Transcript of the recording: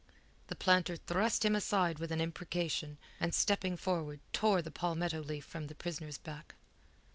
The planter thrust him aside with an imprecation, and stepping forward tore the palmetto leaf from the prisoner's back.